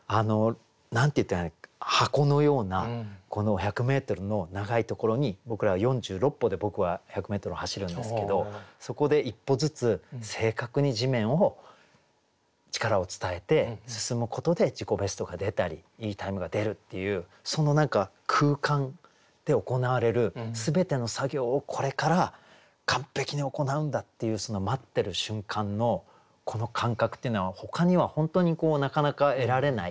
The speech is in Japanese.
箱のようなこの１００メートルの長いところに僕らは４６歩で僕は１００メートルを走るんですけどそこで一歩ずつ正確に地面を力を伝えて進むことで自己ベストが出たりいいタイムが出るっていうその何か空間で行われる全ての作業をこれから完璧に行うんだっていうその待ってる瞬間のこの感覚っていうのはほかには本当になかなか得られない。